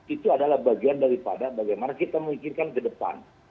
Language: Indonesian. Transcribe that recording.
itu adalah bagian daripada bagaimana kita memikirkan ke depan